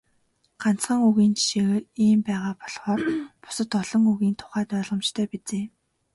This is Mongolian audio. Ганцхан үгийн жишээгээр ийм байгаа болохоор бусад олон үгийн тухайд ойлгомжтой биз ээ.